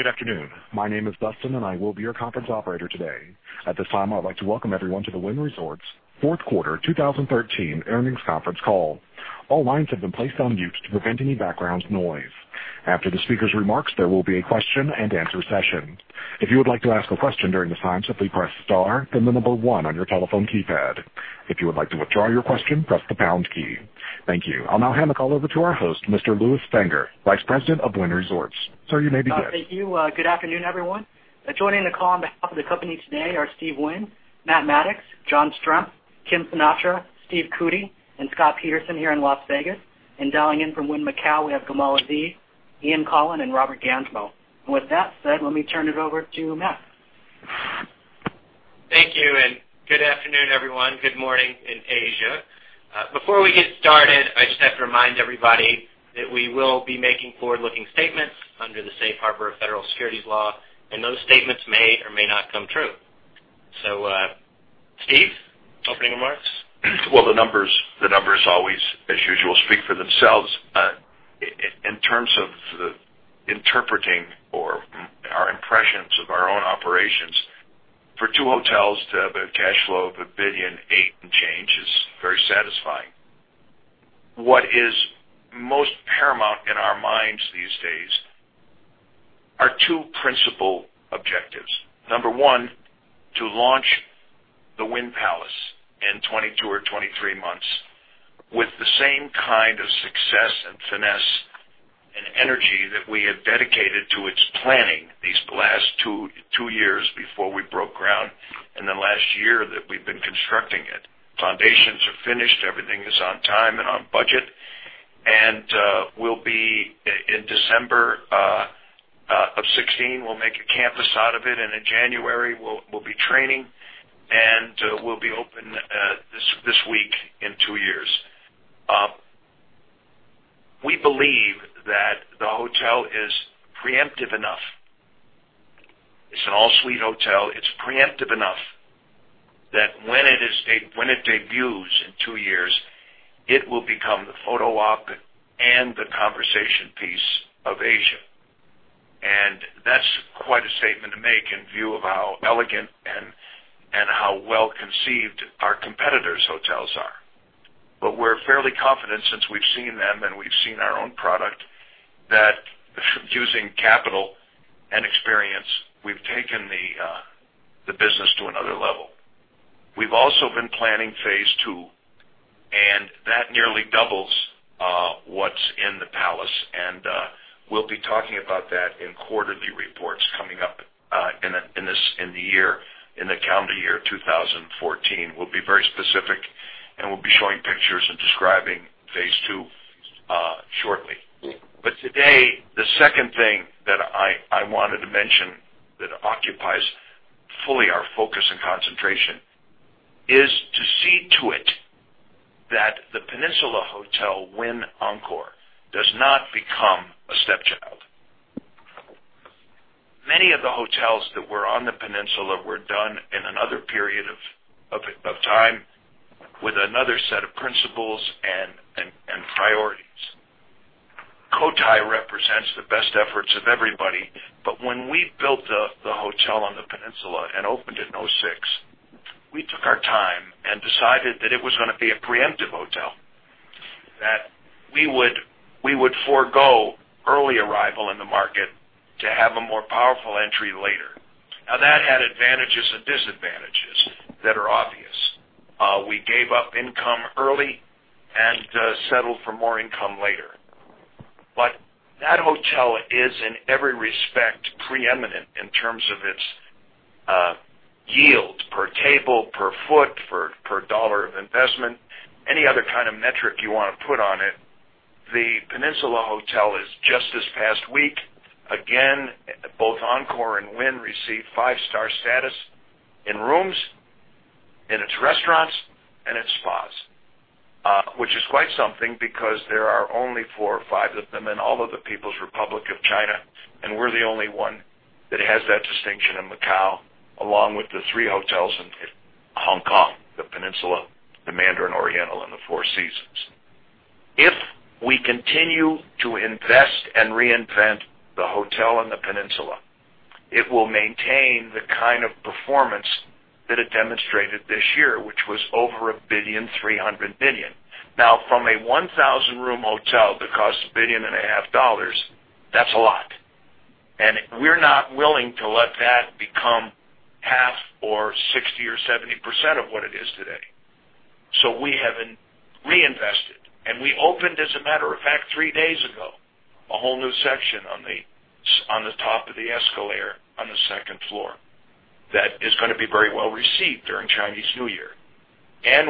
Good afternoon. My name is Dustin, and I will be your conference operator today. At this time, I'd like to welcome everyone to the Wynn Resorts fourth quarter 2013 earnings conference call. All lines have been placed on mute to prevent any background noise. After the speaker's remarks, there will be a question-and-answer session. If you would like to ask a question during this time, simply press star then the number one on your telephone keypad. If you would like to withdraw your question, press the pound key. Thank you. I'll now hand the call over to our host, Mr. Lewis Fanger, Vice President of Wynn Resorts. Sir, you may begin. Thank you. Good afternoon, everyone. Joining the call on behalf of the company today are Steve Wynn, Matt Maddox, John Strzemp, Kim Sinatra, Steve Cootey, and Scott Peterson here in Las Vegas. Dialing in from Wynn Macau, we have Gamal Aziz, Ian Coughlan, and Robert Gansmo. With that said, let me turn it over to Matt. Thank you. Good afternoon, everyone. Good morning in Asia. Before we get started, I just have to remind everybody that we will be making forward-looking statements under the safe harbor of federal securities law, and those statements may or may not come true. Steve, opening remarks? Well, the numbers always, as usual, speak for themselves. In terms of the interpreting or our impressions of our own operations, for two hotels to have a cash flow of $1.8 billion and change is very satisfying. What is most paramount in our minds these days are two principal objectives. Number one, to launch the Wynn Palace in 22 or 23 months with the same kind of success and finesse and energy that we have dedicated to its planning these last two years before we broke ground, then last year that we've been constructing it. Foundations are finished, everything is on time and on budget. We'll be, in December of 2016, we'll make a campus out of it, and in January, we'll be training, and we'll be open this week in two years. We believe that the hotel is preemptive enough. It's an all-suite hotel. It's preemptive enough that when it debuts in two years, it will become the photo op and the conversation piece of Asia. That's quite a statement to make in view of how elegant and how well-conceived our competitors' hotels are. We're fairly confident since we've seen them and we've seen our own product, that using capital and experience, we've taken the business to another level. We've also been planning phase two, that nearly doubles what's in the Wynn Palace, we'll be talking about that in quarterly reports coming up in the calendar year 2014. We'll be very specific, we'll be showing pictures and describing phase two shortly. Today, the second thing that I wanted to mention that occupies fully our focus and concentration is to see to it that the Peninsula Hotel Wynn Encore does not become a stepchild. Many of the hotels that were on the Peninsula were done in another period of time with another set of principles and priorities. Cotai represents the best efforts of everybody, when we built the hotel on the Peninsula and opened in 2006, we took our time and decided that it was going to be a preemptive hotel, that we would forego early arrival in the market to have a more powerful entry later. That had advantages and disadvantages that are obvious. We gave up income early and settled for more income later. That hotel is, in every respect, preeminent in terms of its yield per table, per foot, per dollar of investment, any other kind of metric you want to put on it. The Peninsula Hotel is just this past week, again, both Encore and Wynn received five-star status in rooms, in its restaurants, and its spas, which is quite something because there are only four or five of them in all of the People's Republic of China, and we're the only one that has that distinction in Macau, along with the three hotels in Hong Kong, the Peninsula, the Mandarin Oriental, and the Four Seasons. If we continue to invest and reinvent the hotel on the Peninsula, it will maintain the kind of performance that it demonstrated this year, which was over $1,300,000,000. From a 1,000-room hotel that costs a billion and a half dollars, that's a lot. We're not willing to let that become half or 60% or 70% of what it is today. We have reinvested, we opened, as a matter of fact, three days ago, a whole new section on the top of the escalator on the second floor that is going to be very well-received during Chinese New Year.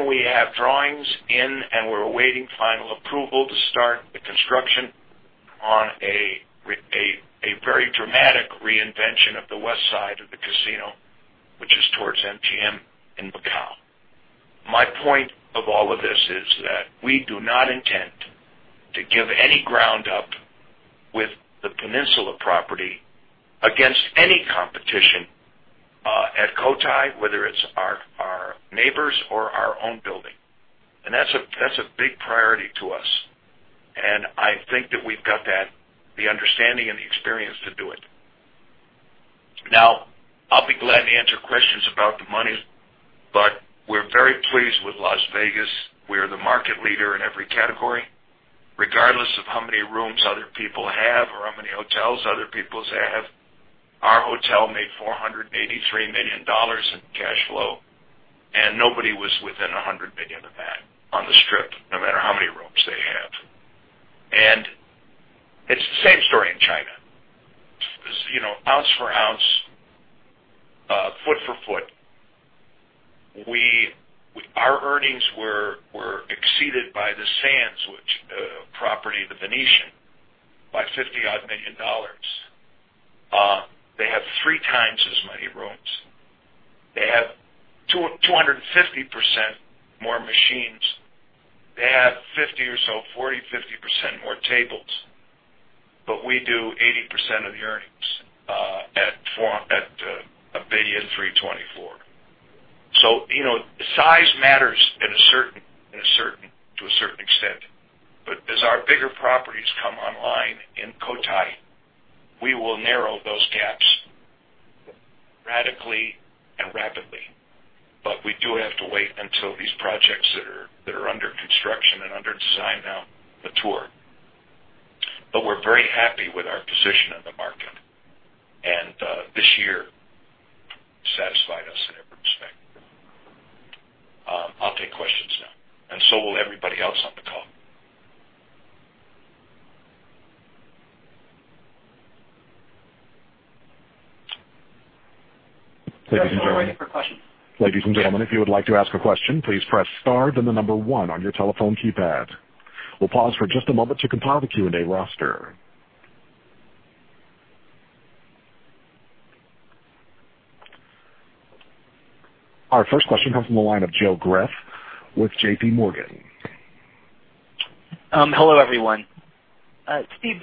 We have drawings in, we're awaiting final approval to start the construction on a very dramatic reinvention of the west side of the casino, which is towards MGM in Macau. My point of all of this is that we do not intend to give any ground up with the Peninsula property against any competition Whether it's our neighbors or our own building. That's a big priority to us, I think that we've got the understanding and the experience to do it. I'll be glad to answer questions about the money, we're very pleased with Las Vegas. We are the market leader in every category, regardless of how many rooms other people have or how many hotels other people have. Our hotel made $483 million in cash flow, and nobody was within $100 million of that on the Strip, no matter how many rooms they have. It's the same story in China. Ounce for ounce, foot for foot, our earnings were exceeded by the Sands property, The Venetian, by $50-odd million. They have three times as many rooms. They have 250% more machines. They have 40%, 50% more tables, we do 80% of the earnings at $1.324 billion. As our bigger properties come online in Cotai, we will narrow those gaps radically and rapidly. We do have to wait until these projects that are under construction and under design now mature. We're very happy with our position in the market, and this year satisfied us in every respect. I'll take questions now, and so will everybody else on the call. Ladies and gentlemen. We're ready for questions. Ladies and gentlemen, if you would like to ask a question, please press star then number 1 on your telephone keypad. We'll pause for just a moment to compile the Q&A roster. Our first question comes from the line of Joe Greff with J.P. Morgan. Hello, everyone. Steve,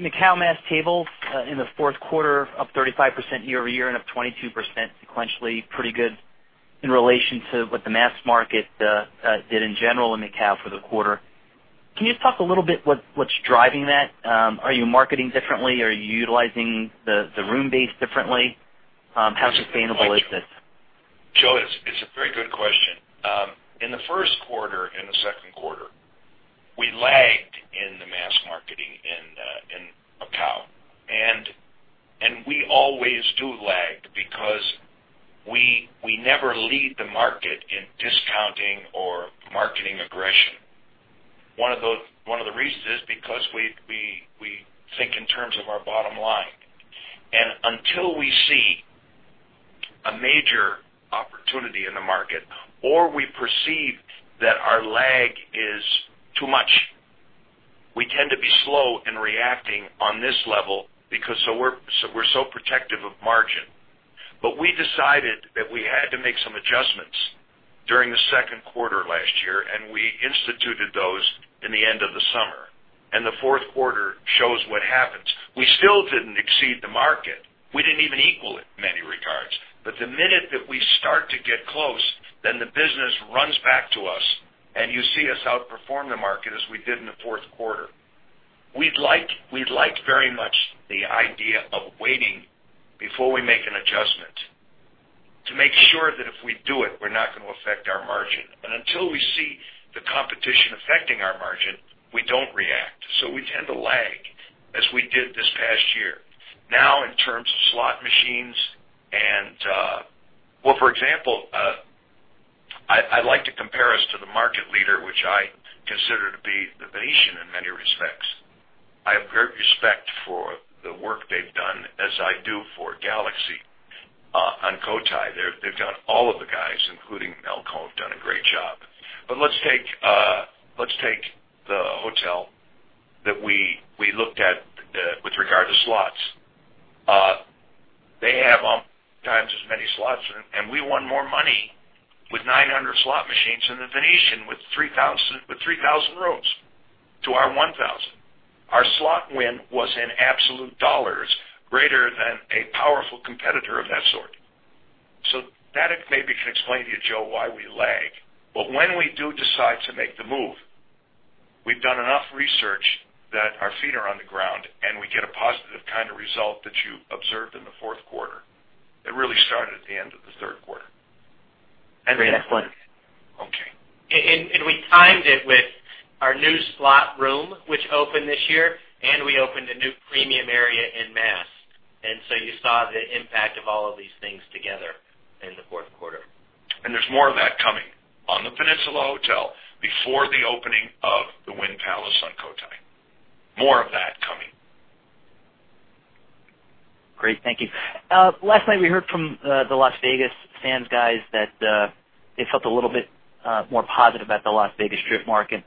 Macau mass tables in the fourth quarter up 35% year-over-year and up 22% sequentially. Pretty good in relation to what the mass market did in general in Macau for the quarter. Can you talk a little bit what's driving that? Are you marketing differently? Are you utilizing the room base differently? How sustainable is this? Joe, it's a very good question. In the first quarter and the second quarter, we lagged in the mass marketing in Macau. We always do lag because we never lead the market in discounting or marketing aggression. One of the reasons is because we think in terms of our bottom line. Until we see a major opportunity in the market, or we perceive that our lag is too much, we tend to be slow in reacting on this level because we're so protective of margin. We decided that we had to make some adjustments during the second quarter last year, and we instituted those in the end of the summer, and the fourth quarter shows what happens. We still didn't exceed the market. We didn't even equal it in many regards. The minute that we start to get close, then the business runs back to us, and you see us outperform the market as we did in the fourth quarter. We'd like very much the idea of waiting before we make an adjustment to make sure that if we do it, we're not going to affect our margin. Until we see the competition affecting our margin, we don't react. We tend to lag as we did this past year. Now, in terms of slot machines and, well, for example, I'd like to compare us to the market leader, which I consider to be The Venetian in many respects. I have great respect for the work they've done, as I do for Galaxy on Cotai. All of the guys, including Melco, have done a great job. Let's take the hotel that we looked at with regard to slots. They have umpteen times as many slots, we won more money with 900 slot machines than The Venetian with 3,000 rooms to our 1,000. Our slot win was in absolute dollars, greater than a powerful competitor of that sort. That maybe can explain to you, Joe, why we lag. When we do decide to make the move, we've done enough research that our feet are on the ground, and we get a positive kind of result that you observed in the fourth quarter. It really started at the end of the third quarter. Great. Excellent. Okay. We timed it with our new slot room, which opened this year, and we opened a new premium area in mass. You saw the impact of all of these things together in the fourth quarter. There's more of that coming on the Peninsula Hotel before the opening of the Wynn Palace on Cotai. More of that coming. Great, thank you. Last night, we heard from the Las Vegas Sands guys that they felt a little bit more positive about the Las Vegas Strip market.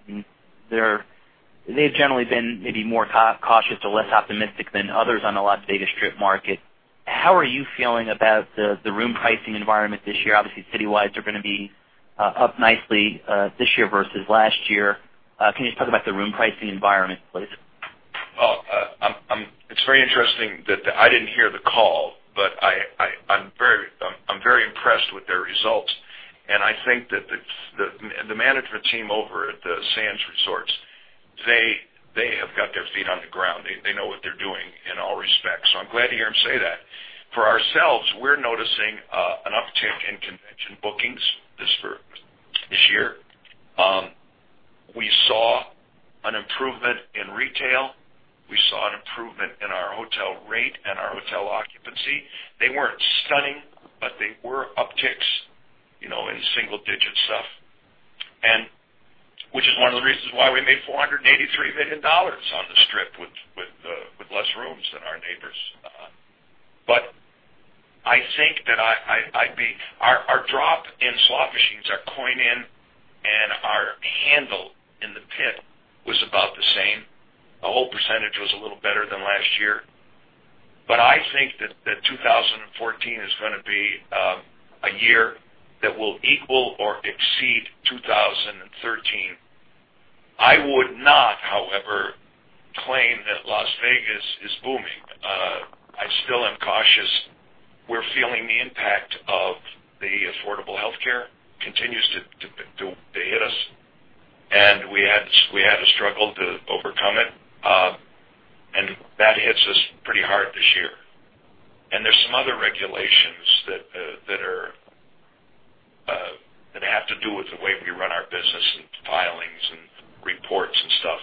They've generally been maybe more cautious or less optimistic than others on the Las Vegas Strip market. How are you feeling about the room pricing environment this year? Obviously, citywide, they're going to be up nicely this year versus last year. Can you just talk about the room pricing environment, please? It's very interesting that I didn't hear the call, but I'm very impressed with their results. I think that the management team over at the Sands Resorts, they have got their feet on the ground. They know what they're doing in all respects, so I'm glad to hear him say that. For ourselves, we're noticing an uptick in convention bookings this year. We saw an improvement in retail. We saw an improvement in our hotel rate and our hotel occupancy. They weren't stunning, but they were upticks in single-digit stuff, and which is one of the reasons why we made $483 million on the Strip with less rooms than our neighbors. I think that our drop in slot machines, our coin in, and our handle in the pit was about the same. The hold percentage was a little better than last year. I think that 2014 is going to be a year that will equal or exceed 2013. I would not, however, claim that Las Vegas is booming. I still am cautious. We're feeling the impact of the affordable health care, continues to hit us, and we had to struggle to overcome it. That hits us pretty hard this year. There's some other regulations that have to do with the way we run our business and filings and reports and stuff.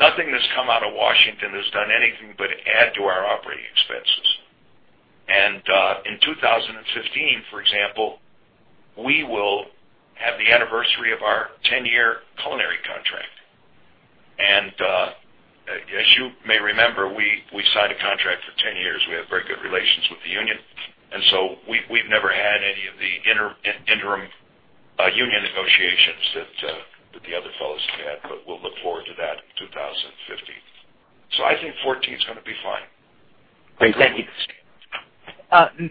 Nothing that's come out of Washington has done anything but add to our operating expenses. In 2015, for example, we will have the anniversary of our 10-year culinary contract. As you may remember, we signed a contract for 10 years. We have very good relations with the union, and so we've never had any of the interim union negotiations that the other fellows have had, but we'll look forward to that in 2015. I think 2014 is going to be fine. Great. Thank you.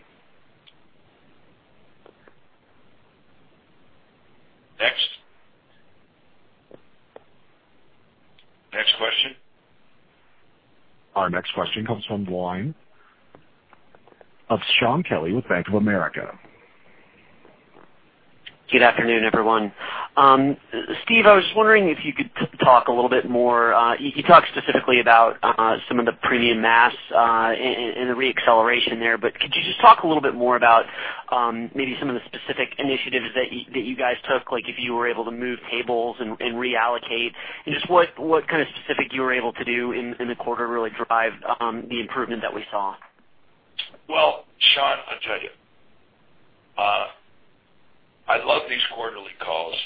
Next question. Our next question comes from the line of Shaun Kelley with Bank of America. Good afternoon, everyone. Steve, I was wondering if you could talk a little bit more. You talked specifically about some of the premium mass and the re-acceleration there. Could you just talk a little bit more about maybe some of the specific initiatives that you guys took, like if you were able to move tables and reallocate? Just what kind of specific you were able to do in the quarter really drive the improvement that we saw? Well, Shaun, I'll tell you. I love these quarterly calls.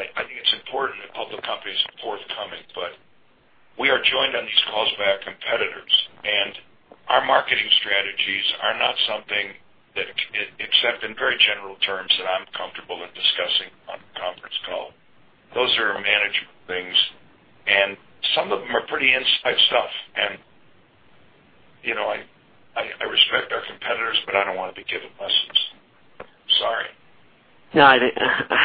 I think it's important that public companies are forthcoming. We are joined on these calls by our competitors. Our marketing strategies are not something that, except in very general terms, that I'm comfortable in discussing on a conference call. Those are manageable things. Some of them are pretty inside stuff. I respect our competitors, but I don't want to be giving lessons. Sorry. No, I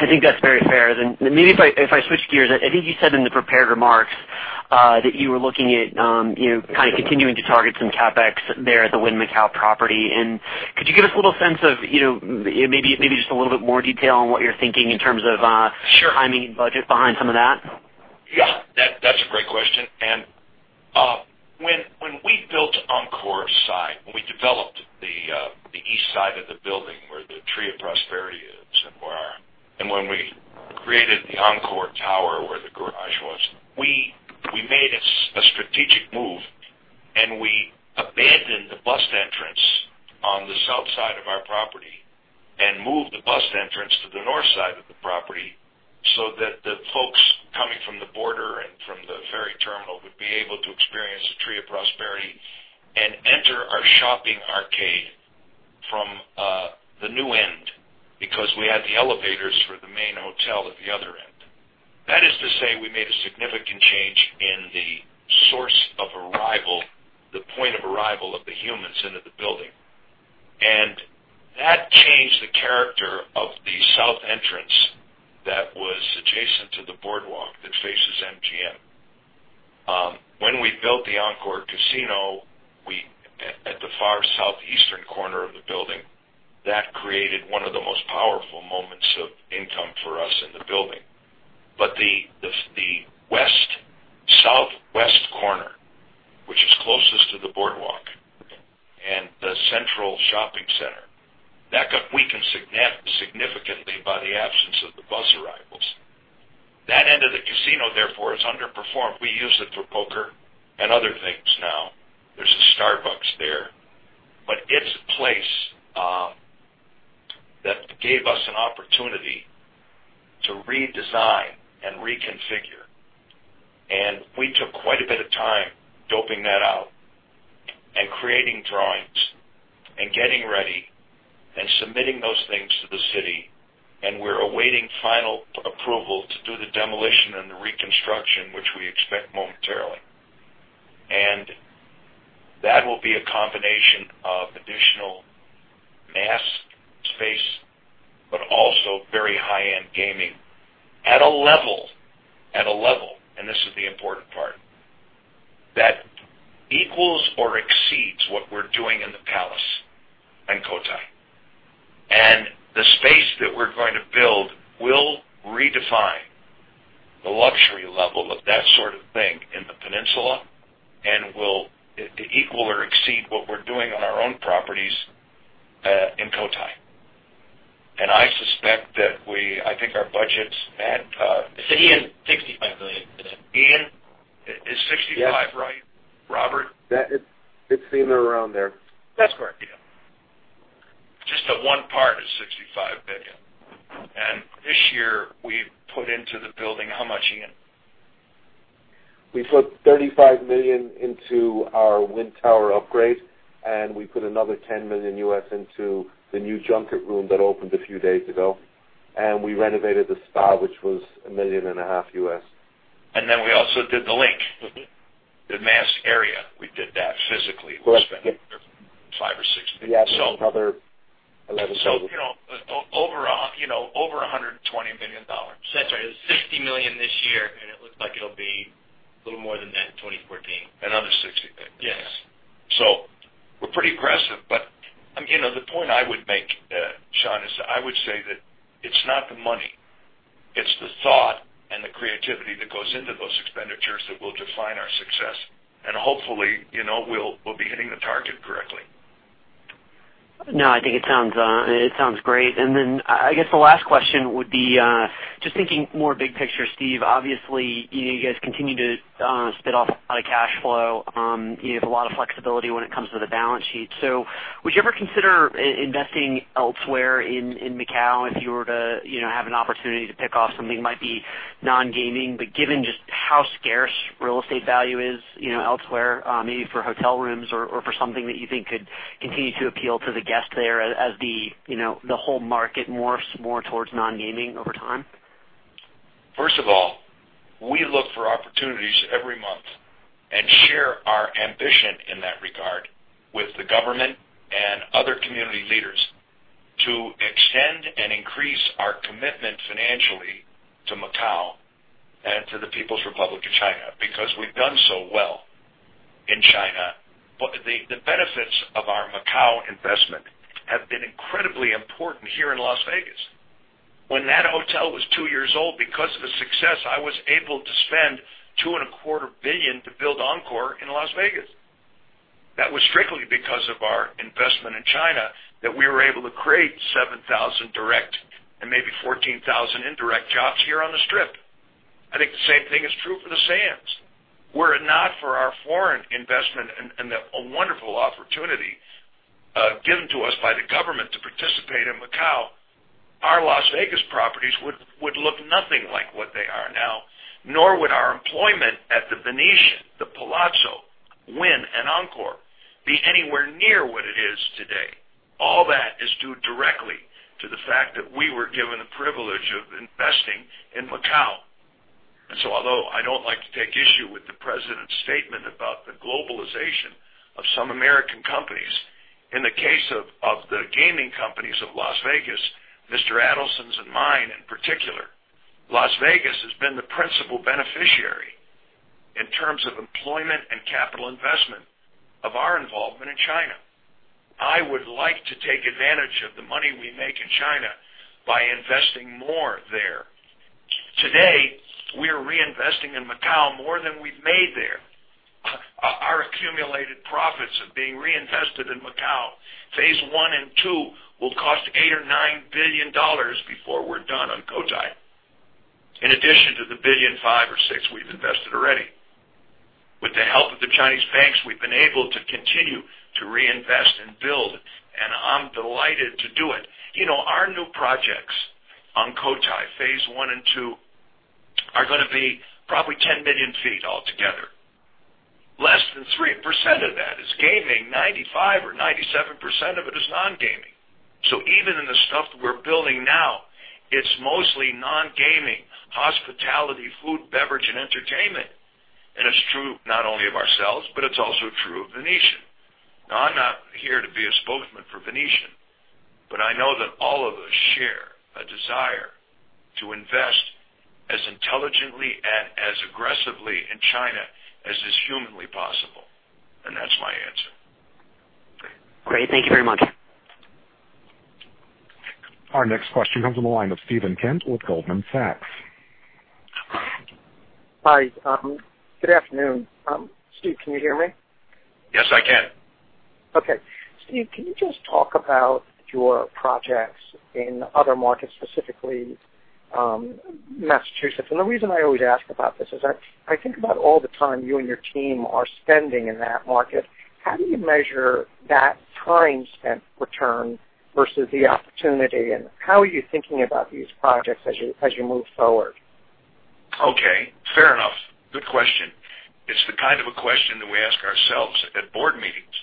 think that's very fair. Maybe if I switch gears, I think you said in the prepared remarks that you were looking at kind of continuing to target some CapEx there at the Wynn Macau property. Could you give us a little sense of maybe just a little bit more detail on what you're thinking in terms of? Sure Timing and budget behind some of that? Yeah. That's a great question. When we built Encore side, when we developed the east side of the building where the Tree of Prosperity is and when we created the Encore Tower where the garage was, we made a strategic move, and we abandoned the bus entrance on the south side of our property and moved the bus entrance to the north side of the property so that the folks coming from the border and from the ferry terminal would be able to experience the Tree of Prosperity and enter our shopping arcade from the new end because we had the elevators for the main hotel at the other end. That is to say we made a significant change in the source of arrival, the point of arrival of the humans into the building. That changed the character of the south entrance that was adjacent to the boardwalk that faces MGM. When we built the Encore casino at the far southeastern corner of the building, that created one of the most powerful moments of income for us in the building. The southwest corner, which is closest to the boardwalk and the central shopping center, that got weakened significantly by the absence of the bus arrivals. That end of the casino, therefore, is underperformed. We use it for poker and other things now. There's a Starbucks there. It's a place that gave us an opportunity to redesign and reconfigure. We took quite a bit of time doping that out and creating drawings and getting ready and submitting those things to the city, and we're awaiting final approval to do the demolition and the reconstruction, which we expect momentarily. That will be a combination of additional mass space, very high-end gaming at a level, and this is the important part, that equals or exceeds what we're doing in the Palace and Cotai. The space that we're going to build will redefine the luxury level of that sort of thing in the Peninsula, and will equal or exceed what we're doing on our own properties, in Cotai. I suspect that we, I think our budgets at Ian, $65 million. Ian, is $65 million right? Yes. Robert? It's either around there. That's correct. Yeah. Just the one part is $65 million. This year, we've put into the building how much, Ian? We put $35 million into our Wynn Tower upgrade, and we put another $10 million into the new junket room that opened a few days ago. We renovated the spa, which was a million and a half USD. Then we also did the link. The mass area, we did that physically. Correct. Yep. We spent $5 or $6 million. Yeah. There's another $11- Over $120 million. That's right. It was $60 million this year, and it looks like it'll be a little more than that in 2014. Another $60 million. Yes. We're pretty aggressive. The point I would make, Shaun, is I would say that it's not the money, it's the thought and the creativity that goes into those expenditures that will define our success. Hopefully, we'll be hitting the target correctly. No, I think it sounds great. I guess the last question would be, just thinking more big picture, Steve Wynn, obviously, you guys continue to spit off a lot of cash flow. You have a lot of flexibility when it comes to the balance sheet. Would you ever consider investing elsewhere in Macau if you were to have an opportunity to pick off something, might be non-gaming, but given just how scarce real estate value is elsewhere, maybe for hotel rooms or for something that you think could continue to appeal to the guests there as the whole market morphs more towards non-gaming over time? First of all, we look for opportunities every month and share our ambition in that regard with the government and other community leaders to extend and increase our commitment financially to Macau and to the People's Republic of China because we've done so well in China. The benefits of our Macau investment have been incredibly important here in Las Vegas. When that hotel was two years old, because of its success, I was able to spend $2.25 billion to build Encore in Las Vegas. That was strictly because of our investment in China that we were able to create 7,000 direct and maybe 14,000 indirect jobs here on the Strip. I think the same thing is true for the Sands. Were it not for our foreign investment and the wonderful opportunity given to us by the government to participate in Macau, our Las Vegas properties would look nothing like what they are now, nor would our employment at The Venetian, The Palazzo, Wynn, and Encore be anywhere near what it is today. All that is due directly to the fact that we were given the privilege of investing in Macau. Although I don't like to take issue with the president's statement about the globalization of some American companies, in the case of the gaming companies of Las Vegas, Mr. Adelson's and mine in particular, Las Vegas has been the principal beneficiary in terms of employment and capital investment of our involvement in China. I would like to take advantage of the money we make in China by investing more there. Today, we are reinvesting in Macau more than we've made there. Our accumulated profits are being reinvested in Macau. Phase one and two will cost $8 billion or $9 billion before we're done on Cotai. In addition to the $billion five or six we've invested already. With the help of the Chinese banks, we've been able to continue to reinvest and build, and I'm delighted to do it. Our new projects on Cotai, phase one and two, are going to be probably 10 million feet altogether. Less than 3% of that is gaming. 95% or 97% of it is non-gaming. So even in the stuff that we're building now, it's mostly non-gaming, hospitality, food, beverage, and entertainment. And it's true not only of ourselves, but it's also true of Venetian. Now, I'm not here to be a spokesman for Venetian, but I know that all of us share a desire to invest as intelligently and as aggressively in China as is humanly possible. And that's my answer. Great. Thank you very much. Our next question comes on the line of Steven Kent with Goldman Sachs. Hi. Good afternoon. Steve, can you hear me? Yes, I can. Okay. Steve, can you just talk about your projects in other markets, specifically Massachusetts? The reason I always ask about this is, I think about all the time you and your team are spending in that market. How do you measure that time spent return versus the opportunity, and how are you thinking about these projects as you move forward? Okay. Fair enough. Good question. It's the kind of a question that we ask ourselves at board meetings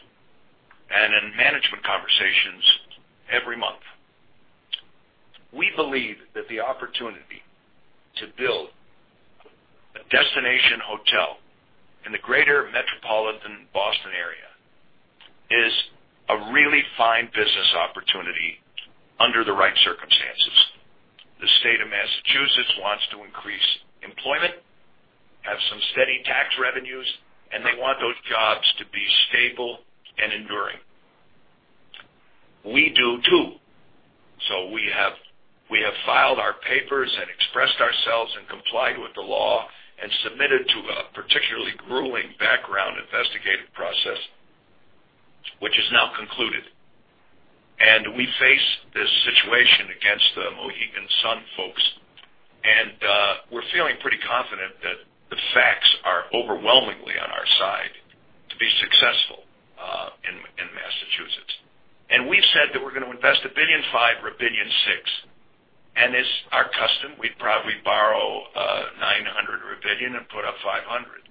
and in management conversations every month. We believe that the opportunity to build a destination hotel in the greater metropolitan Boston area is a really fine business opportunity under the right circumstances. The state of Massachusetts wants to increase employment, have some steady tax revenues, and they want those jobs to be stable and enduring. We do too. We have filed our papers and expressed ourselves and complied with the law and submitted to a particularly grueling background investigative process, which is now concluded. We face this situation against the Mohegan Sun folks, and we're feeling pretty confident that the facts are overwhelmingly on our side to be successful in Massachusetts. We've said that we're going to invest $1.5 billion or $1.6 billion. As our custom, we'd probably borrow $900 million or $1 billion and put up $500 million.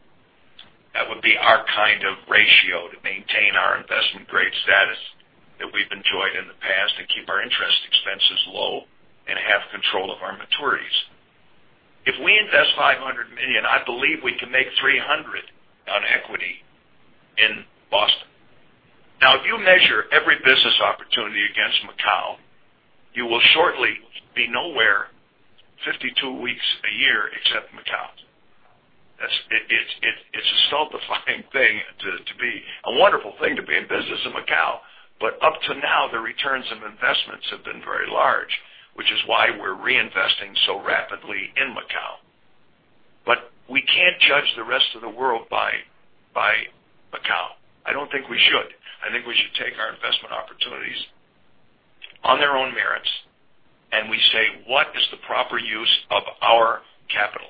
That would be our kind of ratio to maintain our investment-grade status that we've enjoyed in the past and keep our interest expenses low and have control of our maturities. If we invest $500 million, I believe we can make $300 million on equity in Boston. If you measure every business opportunity against Macau, you will shortly be nowhere 52 weeks a year except Macau. It's a stultifying thing to be a wonderful thing to be in business in Macau. Up to now, the returns on investments have been very large, which is why we're reinvesting so rapidly in Macau. We can't judge the rest of the world by Macau. I don't think we should. I think we should take our investment opportunities on their own merits, and we say, "What is the proper use of our capital?"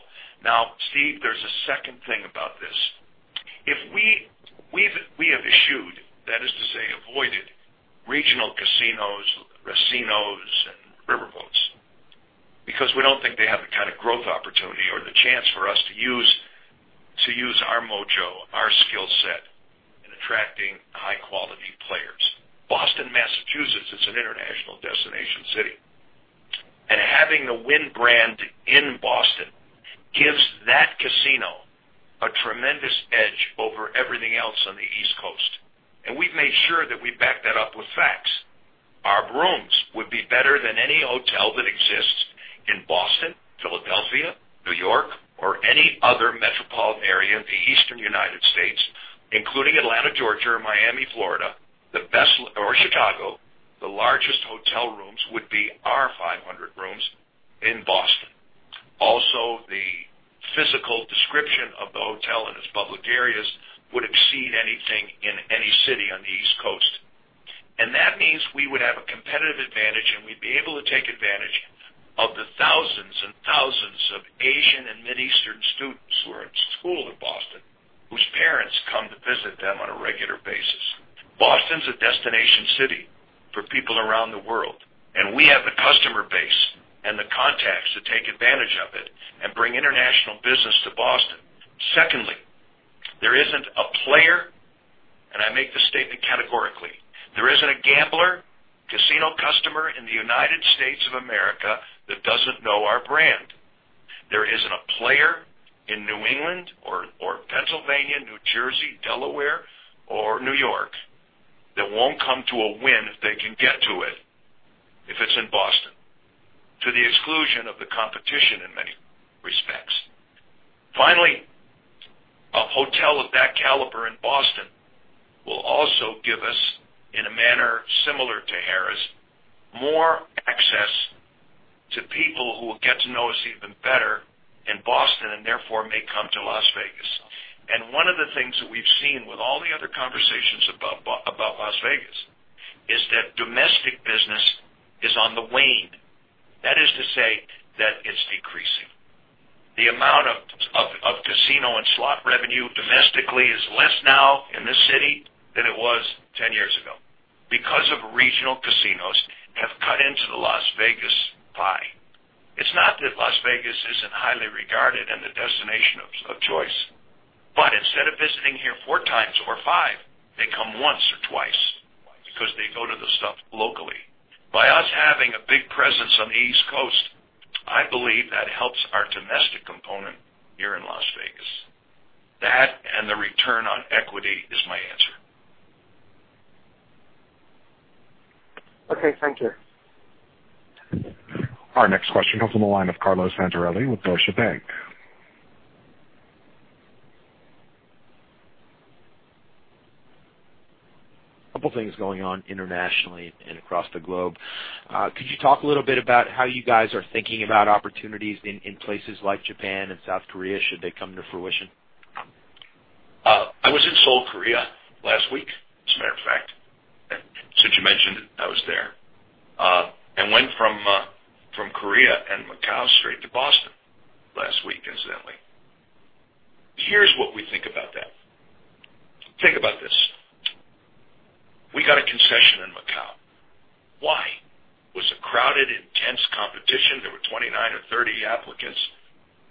Steve, there's a second thing about this. We have eschewed, that is to say, avoided regional casinos, racinos, and riverboats because we don't think they have the kind of growth opportunity or the chance for us to use our mojo, our skill set in attracting high-quality players. Boston, Massachusetts, is an international destination city, and having the Wynn brand in Boston gives that casino a tremendous edge over everything else on the East Coast. We've made sure that we back that up with facts. Our rooms would be better than any hotel that exists in Boston, Philadelphia, New York, or any other metropolitan area in the Eastern United States, including Atlanta, Georgia, Miami, Florida, or Chicago. The largest hotel rooms would be our 500 rooms in Boston. Also, the physical description of the hotel and its public areas would exceed anything in any city on the East Coast. That means we would have a competitive advantage, and we'd be able to take advantage of the thousands and thousands of Asian and Middle Eastern students who are at school in Boston, whose parents come to visit them on a regular basis. Boston is a destination city for people around the world, and we have the customer base and the contacts to take advantage of it and bring international business to Boston. Secondly, there isn't a player, and I make this statement categorically. There isn't a gambler, casino customer in the United States of America that doesn't know our brand. There isn't a player in New England or Pennsylvania, New Jersey, Delaware, or New York that won't come to a Wynn if they can get to it, if it's in Boston, to the exclusion of the competition in many respects. Finally, a hotel of that caliber in Boston will also give us, in a manner similar to Harrah's, more access to people who will get to know us even better in Boston and therefore may come to Las Vegas. One of the things that we've seen with all the other conversations about Las Vegas is that domestic business is on the wane. That is to say that it's decreasing. The amount of casino and slot revenue domestically is less now in this city than it was 10 years ago because of regional casinos have cut into the Las Vegas pie. It's not that Las Vegas isn't highly regarded and the destination of choice, but instead of visiting here four times or five, they come once or twice because they go to the stuff locally. By us having a big presence on the East Coast, I believe that helps our domestic component here in Las Vegas. That and the return on equity is my answer. Okay. Thank you. Our next question comes on the line of Carlo Santarelli with Deutsche Bank. A couple things going on internationally and across the globe. Could you talk a little bit about how you guys are thinking about opportunities in places like Japan and South Korea should they come to fruition? I was in Seoul, Korea, last week, as a matter of fact. Since you mentioned it, I was there. Went from Korea and Macau straight to Boston last week, incidentally. Here's what we think about that. Think about this. We got a concession in Macau. Why? Was a crowded, intense competition. There were 29 or 30 applicants,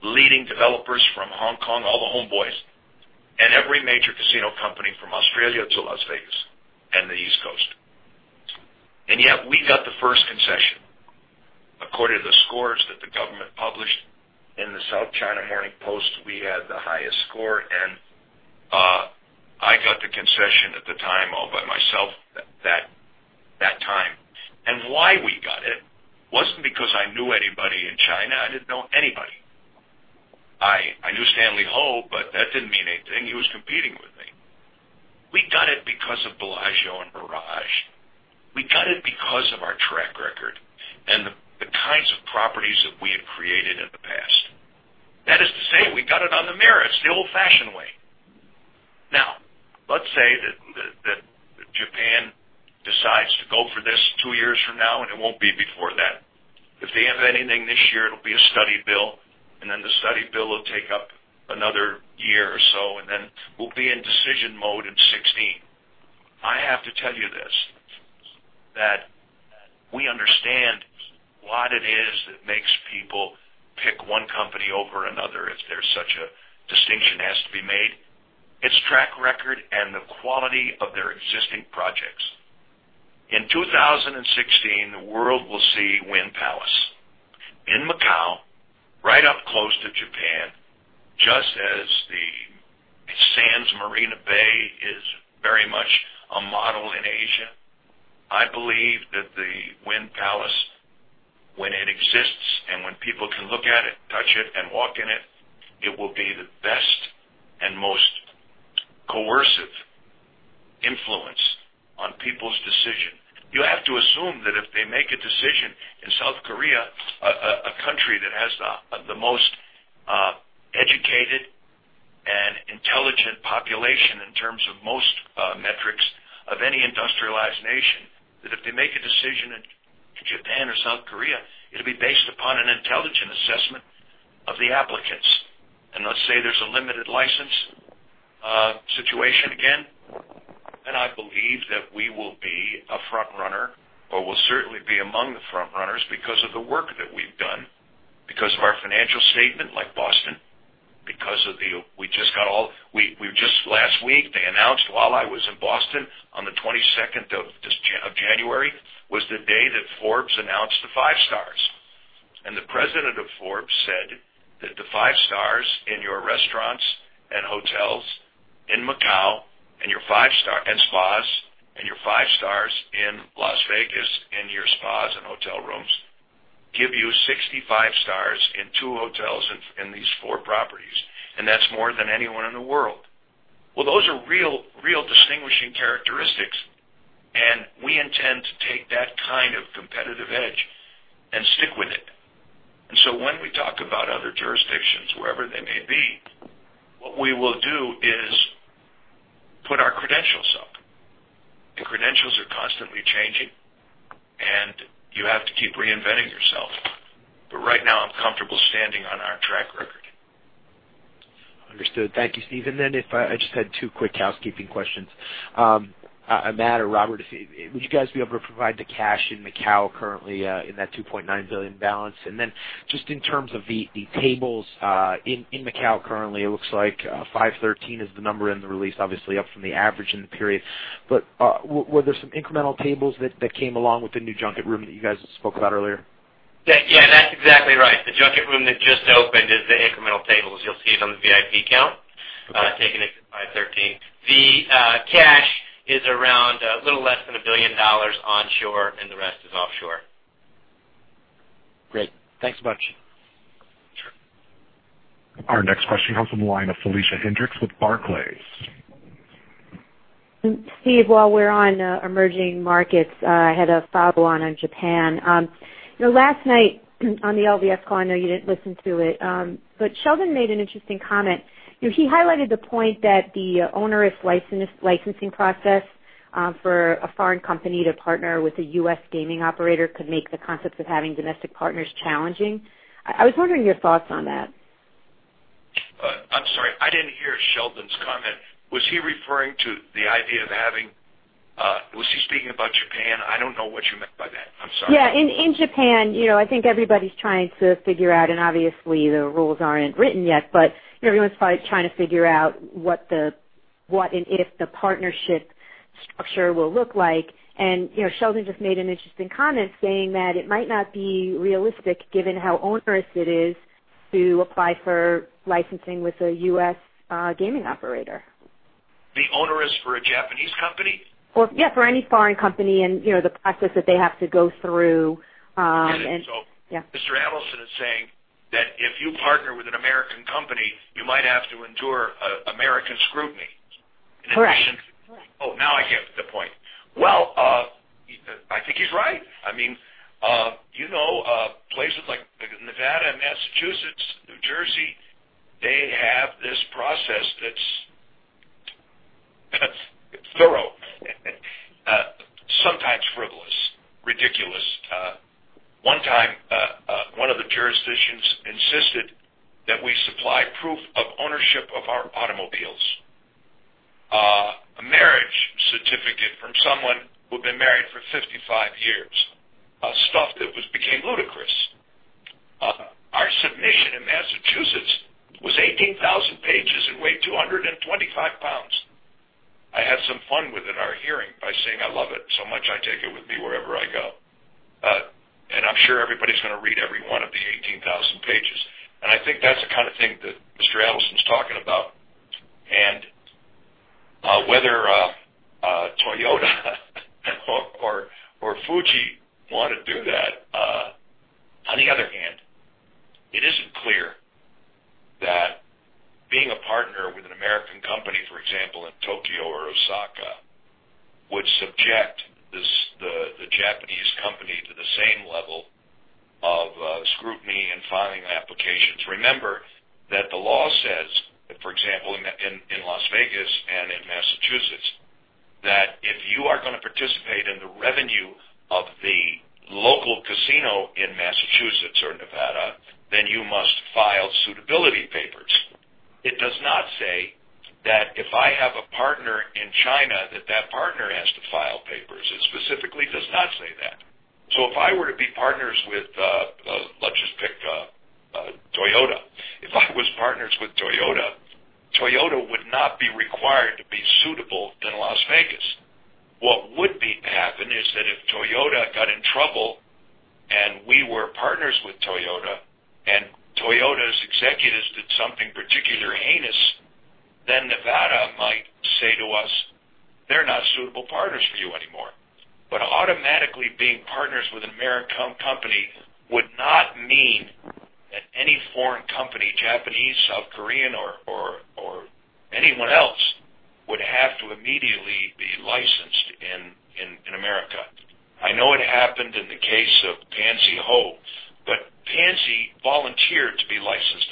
leading developers from Hong Kong, all the homeboys, and every major casino company from Australia to Las Vegas and the East Coast. Concession. According to the scores that the government published in the South China Morning Post, we had the highest score, and I got the concession at the time all by myself that time. Why we got it wasn't because I knew anybody in China. I didn't know anybody. I knew Stanley Ho, but that didn't mean anything. He was competing with me. We got it because of Bellagio and Mirage. We got it because of our track record and the kinds of properties that we have created in the past. That is to say, we got it on the merits, the old-fashioned way. Now, let's say that Japan decides to go for this two years from now, and it won't be before that. If they have anything this year, it'll be a study bill, the study bill will take up another year or so, we'll be in decision mode in 2016. I have to tell you this, that we understand what it is that makes people pick one company over another if there's such a distinction has to be made. It's track record and the quality of their existing projects. In 2016, the world will see Wynn Palace in Macau, right up close to Japan, just as the Marina Bay Sands is very much a model in Asia. I believe that the Wynn Palace, when it exists and when people can look at it, touch it, and walk in it will be the best and most coercive influence on people's decision. You have to assume that if they make a decision in South Korea, a country that has the most educated and intelligent population in terms of most metrics of any industrialized nation, that if they make a decision in Japan or South Korea, it'll be based upon an intelligent assessment of the applicants. Let's say there's a limited license situation again, I believe that we will be a front runner, or we'll certainly be among the front runners because of the work that we've done, because of our financial statement, like Boston. Just last week, they announced while I was in Boston on the 22nd of January, was the day that Forbes announced the five stars. The president of Forbes said that the five stars in your restaurants and hotels in Macau and spas, your five stars in Las Vegas and your spas and hotel rooms give you 65 stars in two hotels in these four properties, and that's more than anyone in the world. Those are real distinguishing characteristics, we intend to take that kind of competitive edge and stick with it. When we talk about other jurisdictions, wherever they may be, what we will do is put our credentials up, and credentials are constantly changing, and you have to keep reinventing yourself. Right now, I'm comfortable standing on our track record. Understood. Thank you, Steve. I just had two quick housekeeping questions. Matt or Robert, would you guys be able to provide the cash in Macau currently in that $2.9 billion balance? Then just in terms of the tables in Macau currently, it looks like 513 is the number in the release, obviously up from the average in the period. Were there some incremental tables that came along with the new junket room that you guys spoke about earlier? Yeah, that's exactly right. The junket room that just opened is the incremental tables. You'll see it on the VIP count, taking it to 513. The cash is around a little less than $1 billion onshore, and the rest is offshore. Great. Thanks a bunch. Our next question comes from the line of Felicia Hendrix with Barclays. Steve, while we're on emerging markets, I had a follow on Japan. Last night on the LVS call, I know you didn't listen to it, but Sheldon made an interesting comment. He highlighted the point that the onerous licensing process for a foreign company to partner with a U.S. gaming operator could make the concept of having domestic partners challenging. I was wondering your thoughts on that. I'm sorry, I didn't hear Sheldon's comment. Was he speaking about Japan? I don't know what you meant by that. I'm sorry. Yeah. In Japan, I think everybody's trying to figure out, obviously the rules aren't written yet, but everyone's probably trying to figure out what and if the partnership structure will look like. Sheldon just made an interesting comment saying that it might not be realistic given how onerous it is to apply for licensing with a U.S. gaming operator. Be onerous for a Japanese company? Yeah, for any foreign company and the process that they have to go through. Mr. Adelson is saying that if you partner with an American company, you might have to endure American scrutiny. Correct. Now I get the point. I think he's right. Places like Nevada, Massachusetts, New Jersey, they have this process that's thorough and sometimes frivolous, ridiculous. One time, one of the jurisdictions insisted that we supply proof of ownership of our automobiles. A marriage certificate from someone who'd been married for 55 years. Stuff that became ludicrous 18,000 pages and weighed 225 pounds. I had some fun with it in our hearing by saying I love it so much, I take it with me wherever I go. I'm sure everybody's going to read every one of the 18,000 pages. I think that's the kind of thing that Mr. Adelson's talking about. Whether Toyota or Fuji want to do that. On the other hand, it isn't clear that being a partner with an American company, for example, in Tokyo or Osaka, would subject the Japanese company to the same level of scrutiny in filing applications. Remember that the law says, for example, in Las Vegas and in Massachusetts, that if you are going to participate in the revenue of the local casino in Massachusetts or Nevada, then you must file suitability papers. It does not say that if I have a partner in China, that that partner has to file papers. It specifically does not say that. If I were to be partners with, let's just pick Toyota. If I was partners with Toyota would not be required to be suitable in Las Vegas. What would happen is that if Toyota got in trouble, and we were partners with Toyota, and Toyota's executives did something particularly heinous, then Nevada might say to us, "They're not suitable partners for you anymore." Automatically being partners with an American company would not mean that any foreign company, Japanese, South Korean, or anyone else, would have to immediately be licensed in America. I know it happened in the case of Pansy Ho, but Pansy volunteered to be licensed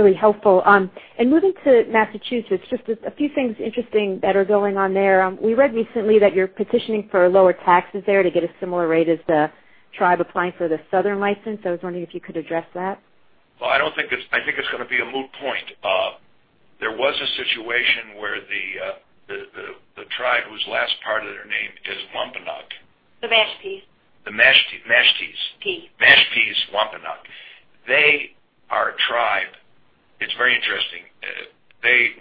in Nevada and was found suitable. The New Jersey people, in a moment of temporary insanity, decided they ought to license her father, or at least gave the impression they were doing that. A ridiculous thing, I think they're going to change their mind and find MGM suitable again, from what I hear. That was an exception. What Sheldon Adelson says is conceivably a problem, but I don't think automatically is a problem. Okay. That's really helpful. Moving to Massachusetts, just a few things interesting that are going on there. We read recently that you're petitioning for lower taxes there to get a similar rate as the tribe applying for the southern license. I was wondering if you could address that. Well, I think it's going to be a moot point. There was a situation where the tribe, whose last part of their name is Wampanoag. The Mashpee. The Mashpees. Pee. Mashpees Wampanoag. They are a tribe. It's very interesting. They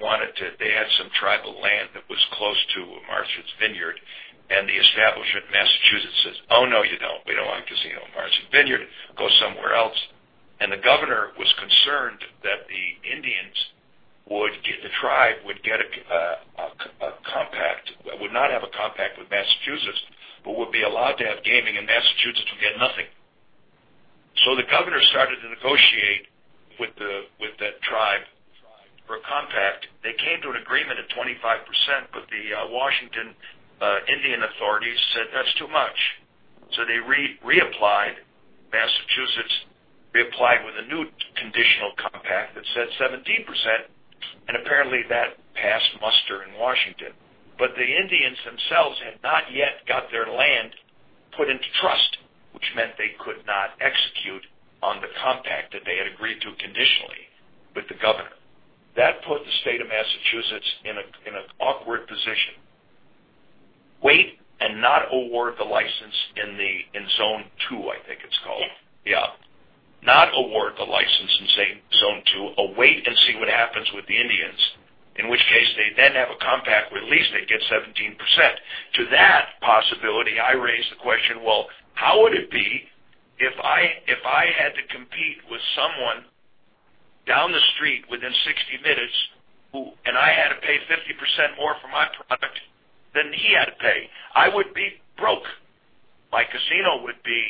had some tribal land that was close to Martha's Vineyard, the establishment in Massachusetts says, "Oh, no, you don't. We don't want casino Martha's Vineyard. Go somewhere else." The governor was concerned that the Indians, the tribe would not have a compact with Massachusetts but would be allowed to have gaming, and Massachusetts would get nothing. The governor started to negotiate with that tribe for a compact. They came to an agreement of 25%, but the Washington Indian authorities said that's too much. They reapplied. Massachusetts reapplied with a new conditional compact that said 17%, and apparently, that passed muster in Washington. The Indians themselves had not yet got their land put into trust, which meant they could not execute on the compact that they had agreed to conditionally with the governor. That put the state of Massachusetts in an awkward position. Wait and not award the license in Zone 2, I think it's called. Yeah. Yeah. Not award the license in, say, Zone 2. Await and see what happens with the Indians, in which case they then have a compact where at least they get 17%. To that possibility, I raised the question, well, how would it be if I had to compete with someone down the street within 60 minutes, and I had to pay 50% more for my product than he had to pay? I would be broke. My casino would be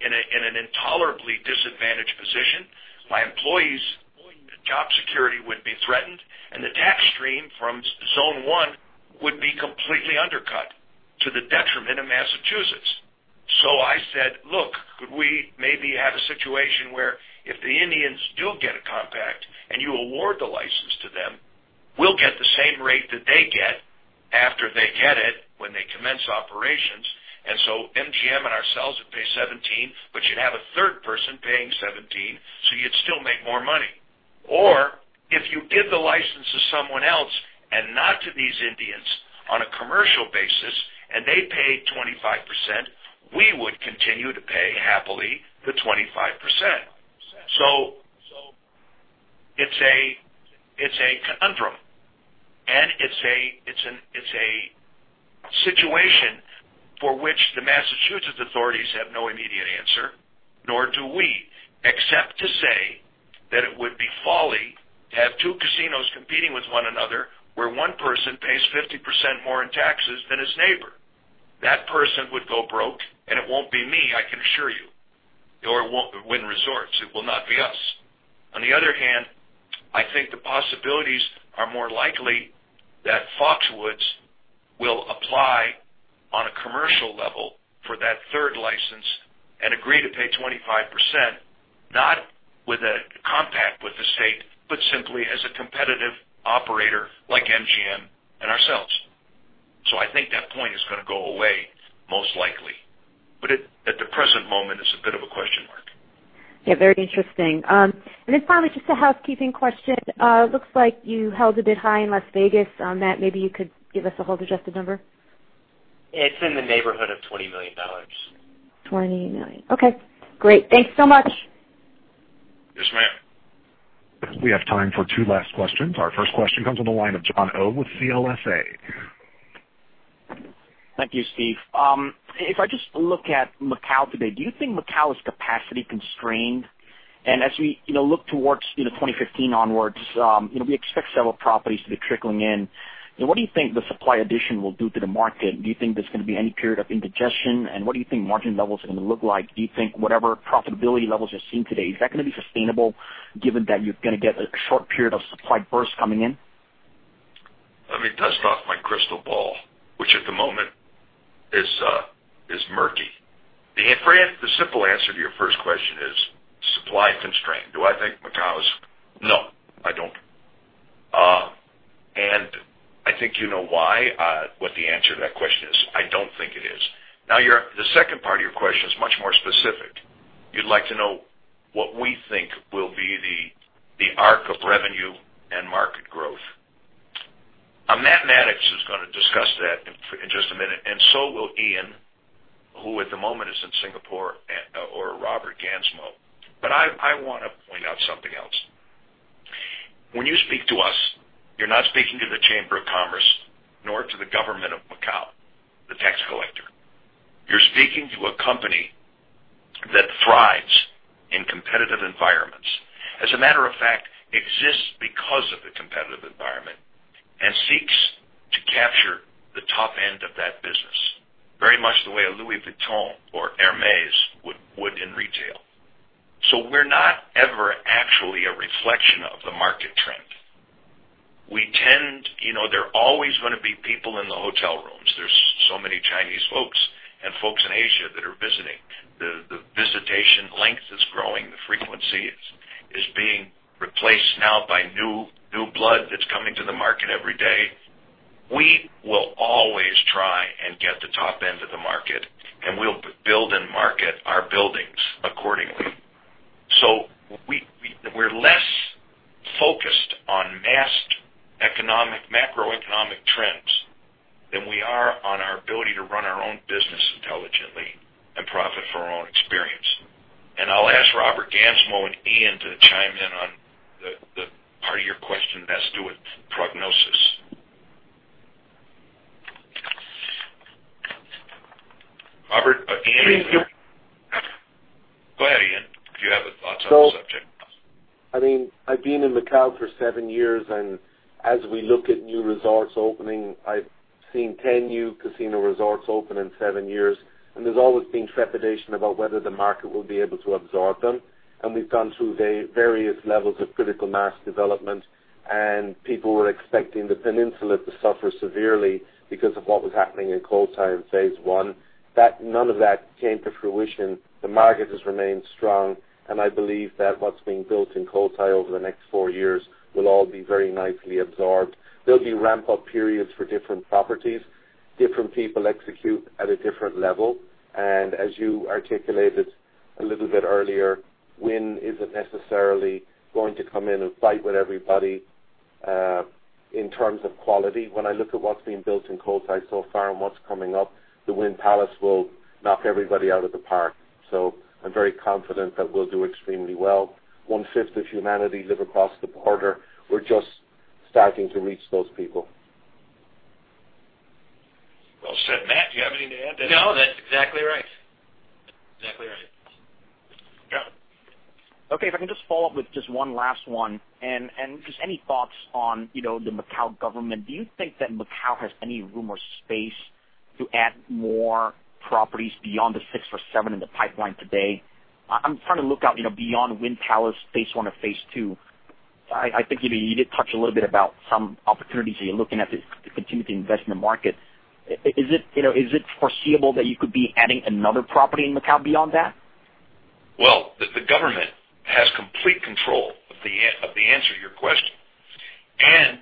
in an intolerably disadvantaged position. My employees' job security would be threatened, and the tax stream from Zone 1 would be completely undercut to the detriment of Massachusetts. I said, "Look, could we maybe have a situation where if the Indians do get a compact and you award the license to them, we'll get the same rate that they get after they get it, when they commence operations." MGM and ourselves would pay 17%, but you'd have a third person paying 17%, you'd still make more money. If you give the license to someone else and not to these Indians on a commercial basis, and they pay 25%, we would continue to pay happily the 25%. It's a conundrum, and it's a situation for which the Massachusetts authorities have no immediate answer, nor do we, except to say that it would be folly to have two casinos competing with one another, where one person pays 50% more in taxes than his neighbor. That person would go broke, and it won't be me, I can assure you, or Wynn Resorts. It will not be us. On the other hand, I think the possibilities are more likely that Foxwoods will apply commercial level for that third license and agree to pay 25%, not with a compact with the state, but simply as a competitive operator like MGM and ourselves. I think that point is going to go away most likely. At the present moment, it's a bit of a question mark. Yeah, very interesting. Finally, just a housekeeping question. Looks like you held a bit high in Las Vegas. Matt, maybe you could give us a hold adjusted number. It's in the neighborhood of $20 million. $20 million. Okay, great. Thanks so much. Yes, ma'am. We have time for two last questions. Our first question comes on the line of Jon Oh with CLSA. Thank you, Steve. If I just look at Macau today, do you think Macau is capacity constrained? As we look towards 2015 onwards, we expect several properties to be trickling in. What do you think the supply addition will do to the market? Do you think there's going to be any period of indigestion? What do you think margin levels are going to look like? Do you think whatever profitability levels you're seeing today, is that going to be sustainable given that you're going to get a short period of supply burst coming in? Let me dust off my crystal ball, which at the moment is murky. The simple answer to your first question is supply constrained. Do I think Macau is? No, I don't. I think you know why, what the answer to that question is. I don't think it is. Now, the second part of your question is much more specific. You'd like to know what we think will be the arc of revenue and market growth. Matt Maddox is going to discuss that in just a minute, and so will Ian, who at the moment is in Singapore, or Robert Gansmo. I want to point out something else. When you speak to us, you're not speaking to the Chamber of Commerce, nor to the government of Macau, the tax collector. You're speaking to a company that thrives in competitive environments. As a matter of fact, exists because of the competitive environment and seeks to capture the top end of that business, very much the way a Louis Vuitton or Hermès would in retail. We're not ever actually a reflection of the market trend. There are always going to be people in the hotel rooms. There's so many Chinese folks and folks in Asia that are visiting. The visitation length is growing. The frequency is being replaced now by new blood that's coming to the market every day. We will always try and get the top end of the market, and we'll build and market our buildings accordingly. We're less focused on mass macroeconomic trends than we are on our ability to run our own business intelligently and profit from our own experience. I'll ask Robert Gansmo and Ian to chime in on the part of your question that has to do with prognosis. Ian. Go ahead, Ian, if you have thoughts on the subject. I mean, I've been in Macau for seven years, as we look at new resorts opening, I've seen 10 new casino resorts open in seven years, and there's always been trepidation about whether the market will be able to absorb them. We've gone through various levels of critical mass development, and people were expecting the Peninsula to suffer severely because of what was happening in Cotai in phase one. None of that came to fruition. The market has remained strong, and I believe that what's being built in Cotai over the next four years will all be very nicely absorbed. There'll be ramp-up periods for different properties. Different people execute at a different level. As you articulated a little bit earlier, Wynn isn't necessarily going to come in and fight with everybody in terms of quality. When I look at what's being built in Cotai so far and what's coming up, the Wynn Palace will knock everybody out of the park. I'm very confident that we'll do extremely well. One-fifth of humanity live across the border. We're just starting to reach those people. Well said. Matt, do you have anything to add to that? No, that's exactly right. Go. Okay. If I can just follow up with just one last one, just any thoughts on the Macau government. Do you think that Macau has any room or space to add more properties beyond the six or seven in the pipeline today? I'm trying to look out beyond Wynn Palace phase one or phase two. I think you did touch a little bit about some opportunities that you're looking at to continue to invest in the market. Is it foreseeable that you could be adding another property in Macau beyond that? Well, the government has complete control of the answer to your question.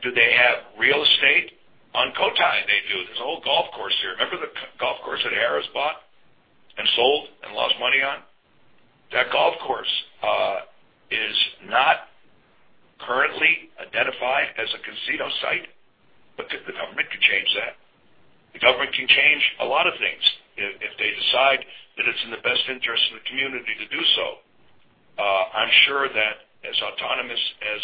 Do they have real estate on Cotai? They do. There's an old golf course here. Remember the golf course that Harrah's bought and sold and lost money on? That golf course is not currently identified as a casino site, the government could change that. The government can change a lot of things if they decide that it's in the best interest of the community to do so. I'm sure that as autonomous as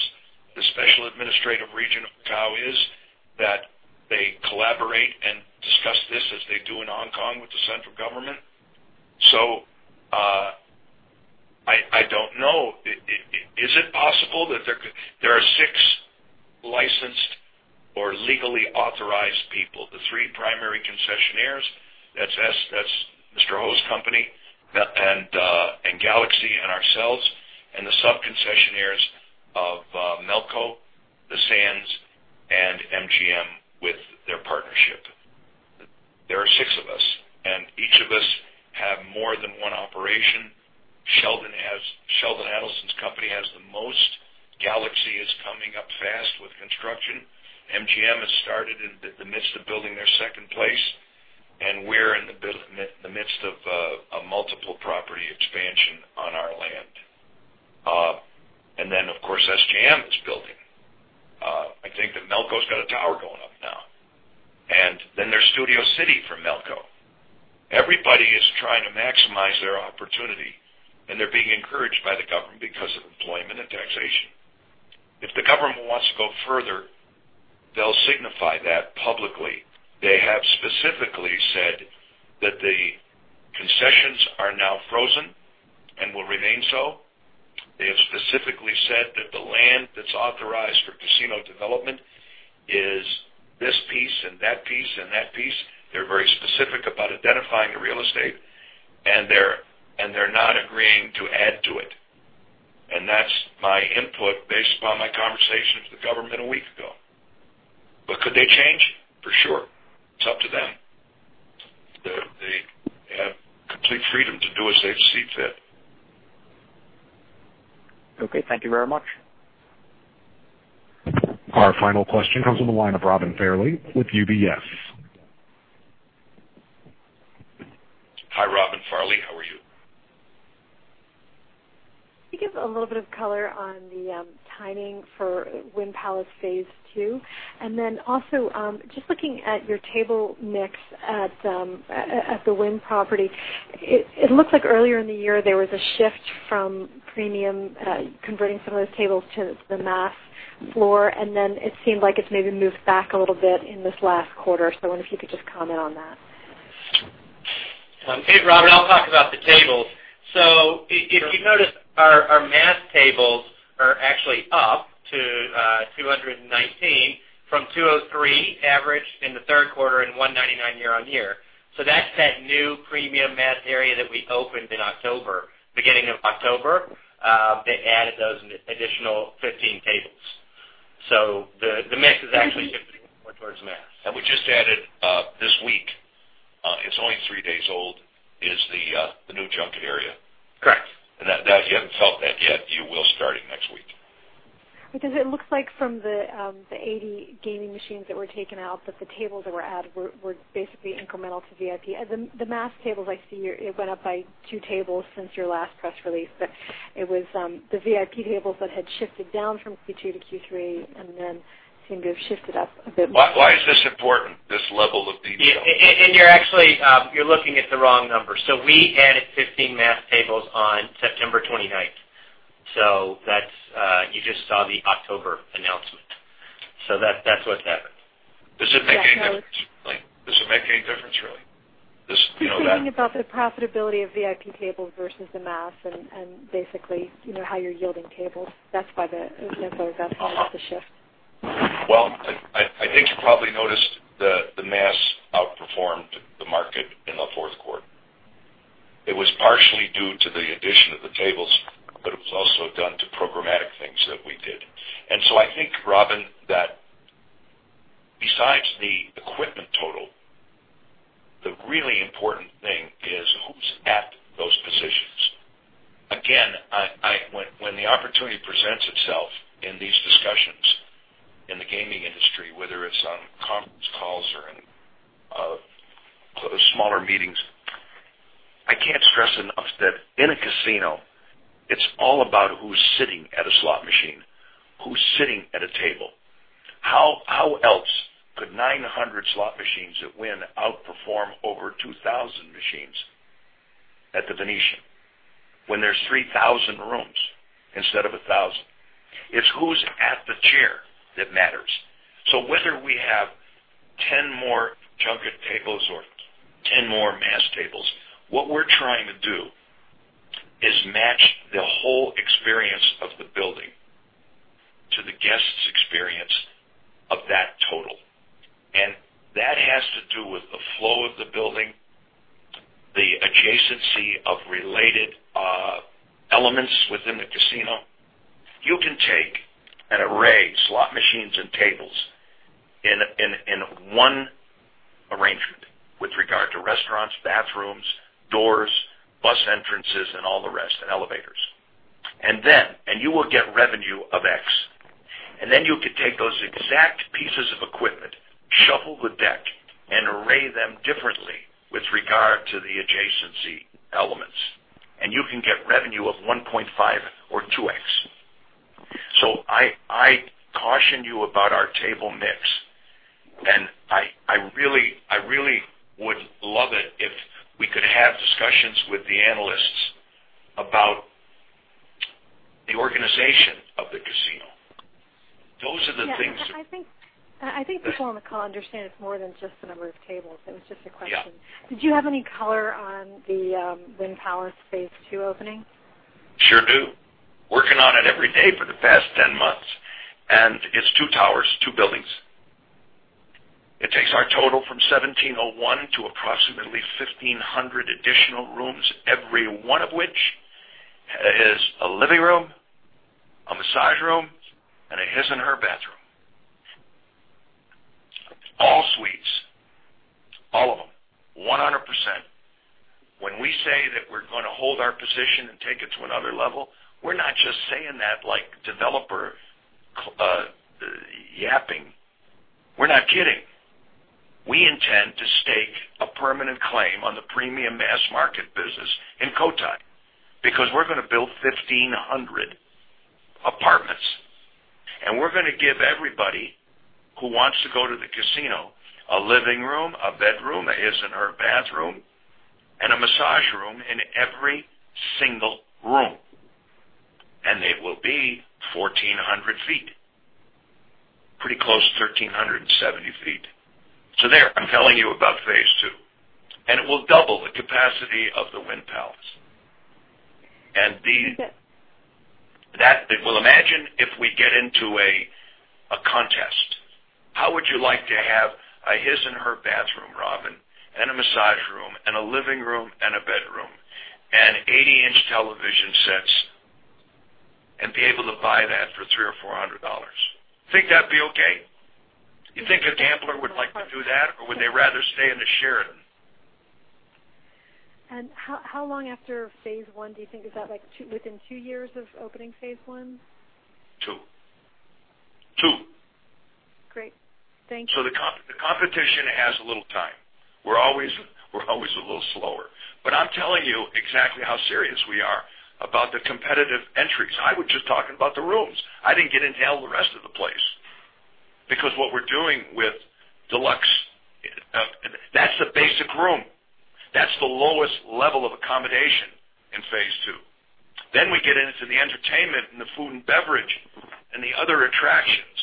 the special administrative region of Macau is, that they collaborate and discuss this as they do in Hong Kong with the central government. I don't know. Is it possible that there are six licensed or legally authorized people, the three primary concessionaires, that's Mr. Ho's company and Galaxy and ourselves, the sub-concessionaires Melco, the Sands, and MGM with their partnership. There are six of us, each of us have more than one operation. Sheldon Adelson's company has the most. Galaxy is coming up fast with construction. MGM has started in the midst of building their second place, we're in the midst of a multiple property expansion on our land. Of course, SJM is building. I think that Melco's got a tower going up now. There's Studio City from Melco. Everybody is trying to maximize their opportunity, they're being encouraged by the government because of employment and taxation. If the government wants to go further, they'll signify that publicly. They have specifically said that the concessions are now frozen and will remain so. They have specifically said that the land that's authorized for casino development is this piece and that piece. They're very specific about identifying the real estate, and they're not agreeing to add to it. That's my input based upon my conversation with the government a week ago. Could they change? For sure. It's up to them. They have complete freedom to do as they see fit. Okay. Thank you very much. Our final question comes from the line of Robin Farley with UBS. Hi, Robin Farley. How are you? Can you give a little bit of color on the timing for Wynn Palace phase two? Also, just looking at your table mix at the Wynn property, it looks like earlier in the year, there was a shift from premium, converting some of those tables to the mass floor, and then it seemed like it's maybe moved back a little bit in this last quarter. I wonder if you could just comment on that. Hey, Robin. I'll talk about the tables. If you notice, our mass tables are actually up to 219 from 203 average in the third quarter and 199 year-on-year. That's that new premium mass area that we opened in October. Beginning of October, they added those additional 15 tables. The mix is actually tipping more towards mass. We just added this week, it's only three days old, is the new junket area. Correct. If you haven't felt that yet, you will starting next week. It looks like from the 80 gaming machines that were taken out, that the tables that were added were basically incremental to VIP. The mass tables, I see it went up by two tables since your last press release, but it was the VIP tables that had shifted down from Q2 to Q3 and then seemed to have shifted up a bit more. Why is this important, this level of detail? You're looking at the wrong number. We added 15 mass tables on September 29th. You just saw the October announcement. That's what's happened. Does it make any difference, really? Just thinking about the profitability of VIP tables versus the mass and basically, how you're yielding tables. That's why I thought it was odd to see a shift. Well, I think you probably noticed the mass outperformed the market in the fourth quarter. It was partially due to the addition of the tables, but it was also done to programmatic things that we did. I think, Robin, that besides the equipment total, the really important thing is who's at those positions. Again, when the opportunity presents itself in these discussions in the gaming industry, whether it's on conference calls or in smaller meetings, I can't stress enough that in a casino, it's all about who's sitting at a slot machine, who's sitting at a table. How else could 900 slot machines at Wynn outperform over 2,000 machines at The Venetian when there's 3,000 rooms instead of 1,000? It's who's at the chair that matters. Whether we have 10 more junket tables or 10 more mass tables, what we're trying to do is match the whole experience of the building to the guest's experience of that total. That has to do with the flow of the building, the adjacency of related elements within the casino. You can take an array, slot machines and tables in one arrangement with regard to restaurants, bathrooms, doors, bus entrances, and all the rest, and elevators. You will get revenue of X. Then you could take those exact pieces of equipment, shuffle the deck, and array them differently with regard to the adjacency elements. You can get revenue of 1.5 or 2X. I caution you about our table mix, and I really would love it if we could have discussions with the analysts about the organization of the casino. Those are the things Yeah. I think people on the call understand it's more than just the number of tables. It was just a question. Yeah. Did you have any color on the Wynn Palace phase two opening? Sure do. Working on it every day for the past 10 months. It's two towers, two buildings 1,701 to approximately 1,500 additional rooms, every one of which has a living room, a massage room, and a his and her bathroom. All suites, all of them, 100%. When we say that we're going to hold our position and take it to another level, we're not just saying that like developer yapping. We're not kidding. We intend to stake a permanent claim on the premium mass market business in Cotai, because we're going to build 1,500 apartments, and we're going to give everybody who wants to go to the casino a living room, a bedroom, a his and her bathroom, and a massage room in every single room. It will be 1,400 feet. Pretty close to 1,370 feet. There, I'm telling you about phase two, and it will double the capacity of the Wynn Palace. Imagine if we get into a contest. How would you like to have a his and her bathroom, Robin, and a massage room and a living room and a bedroom and 80-inch television sets and be able to buy that for $300 or $400? Think that'd be okay? You think a gambler would like to do that, or would they rather stay in the Sheraton? How long after phase one do you think? Is that within two years of opening phase one? Two. Great. Thank you. The competition has a little time. We're always a little slower, but I'm telling you exactly how serious we are about the competitive entries. I was just talking about the rooms. I didn't get into all the rest of the place because what we're doing with deluxe, that's the basic room. That's the lowest level of accommodation in phase two. We get into the entertainment and the food and beverage and the other attractions,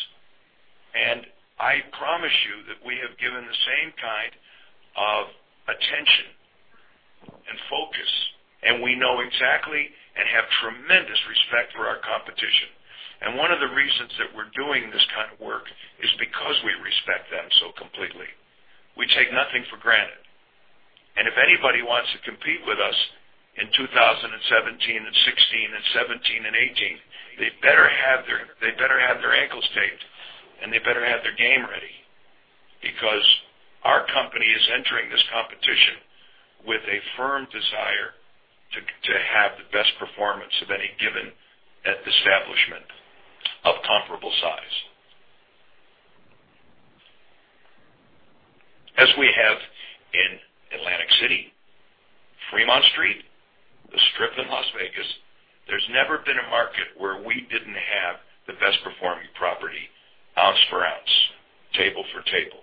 and I promise you that we have given the same kind of attention and focus, and we know exactly and have tremendous respect for our competition. One of the reasons that we're doing this kind of work is because we respect them so completely. We take nothing for granted. If anybody wants to compete with us in 2016 and 2017 and 2018, they better have their ankles taped and they better have their game ready, because our company is entering this competition with a firm desire to have the best performance of any given establishment of comparable size. As we have in Atlantic City, Fremont Street, the Strip in Las Vegas, there's never been a market where we didn't have the best performing property ounce for ounce, table for table,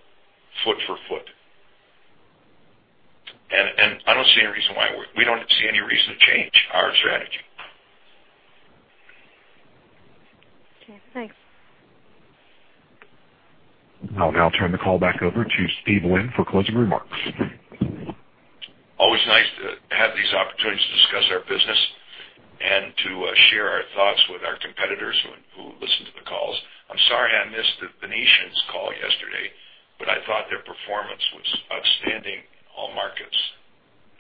foot for foot. We don't see any reason to change our strategy. Okay, thanks. I'll now turn the call back over to Steve Wynn for closing remarks. Always nice to have these opportunities to discuss our business and to share our thoughts with our competitors who listen to the calls. I'm sorry I missed The Venetian's call yesterday, but I thought their performance was outstanding in all markets.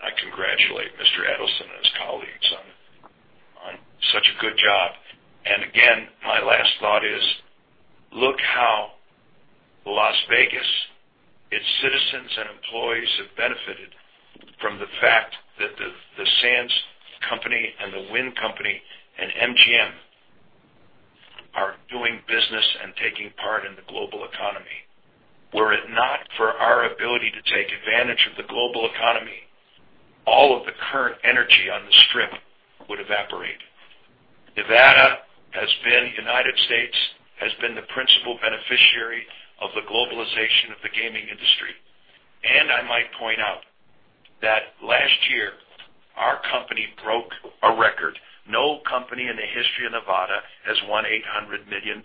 I congratulate Mr. Adelson and his colleagues on such a good job. Again, my last thought is, look how Las Vegas, its citizens and employees have benefited from the fact that the Sands company and the Wynn company and MGM are doing business and taking part in the global economy. Were it not for our ability to take advantage of the global economy, all of the current energy on the Strip would evaporate. Nevada, the U.S., has been the principal beneficiary of the globalization of the gaming industry. I might point out that last year, our company broke a record. No company in the history of Nevada has won $800 million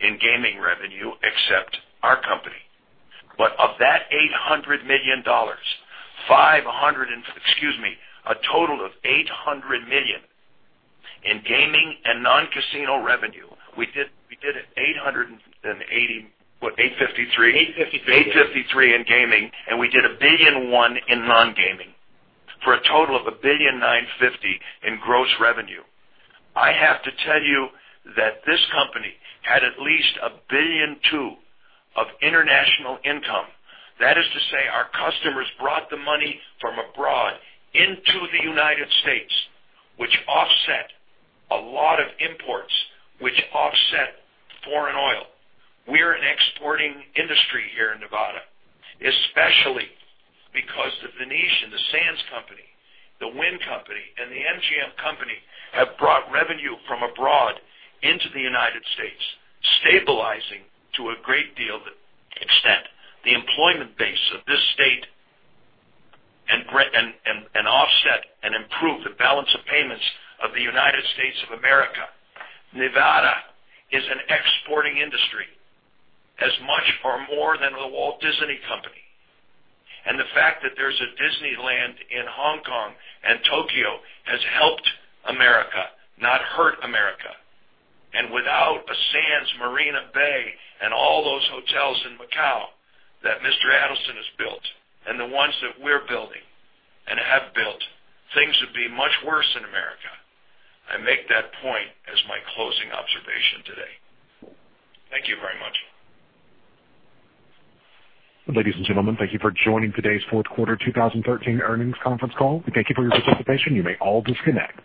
in gaming revenue except our company. Of that $800 million, a total of $800 million in gaming and non-casino revenue. We did $853 million? 853. $853 million in gaming, we did $1.1 billion in non-gaming for a total of $1.95 billion in gross revenue. I have to tell you that this company had at least $1.2 billion of international income. That is to say, our customers brought the money from abroad into the U.S., which offset a lot of imports, which offset foreign oil. We're an exporting industry here in Nevada, especially because The Venetian, the Sands company, the Wynn company, and the MGM company have brought revenue from abroad into the U.S., stabilizing to a great deal extent the employment base of this state and offset and improve the balance of payments of the U.S.A. Nevada is an exporting industry as much or more than The Walt Disney Company. The fact that there's a Disneyland in Hong Kong and Tokyo has helped America, not hurt America. Without a Marina Bay Sands and all those hotels in Macau that Mr. Adelson has built and the ones that we're building and have built, things would be much worse in America. I make that point as my closing observation today. Thank you very much. Ladies and gentlemen, thank you for joining today's fourth quarter 2013 earnings conference call. We thank you for your participation. You may all disconnect.